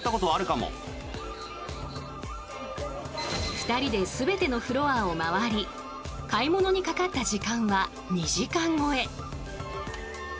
２人で全てのフロアを回り買い物にかかった時間は２時間超え。